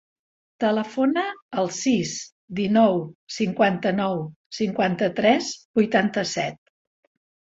Telefona al sis, dinou, cinquanta-nou, cinquanta-tres, vuitanta-set.